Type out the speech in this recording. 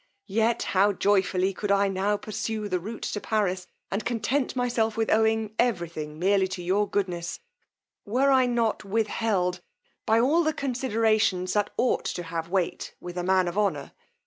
Yet how joyfully could I now pursue the rout to Paris, and content myself with owing every thing merely to your goodness, were I not with held by all the considerations that ought to have weight with a man of honour!